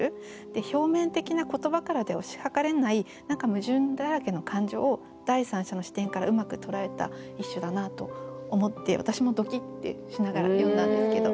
表面的な言葉からでは推し量れない何か矛盾だらけの感情を第三者の視点からうまく捉えた一首だなと思って私もドキッてしながら読んだんですけど。